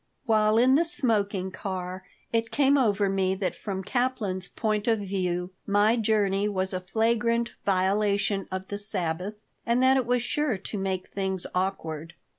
While in the smoking car it came over me that from Kaplan's point of view my journey was a flagrant violation of the Sabbath and that it was sure to make things awkward.